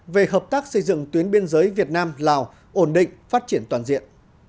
về hợp tác xây dựng tuyến biên giới việt nam lào ổn định phát triển toàn diện